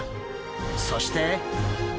そして！